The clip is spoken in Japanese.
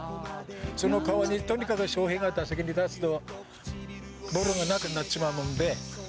その川にとにかく翔平が打席に立つと、ボールがなくなっちまうもんで。